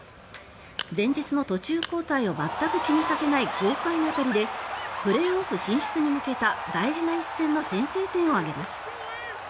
前日の途中交代を全く気にさせない豪快な当たりでプレーオフ進出に向けた大事な一戦の先制点を挙げます。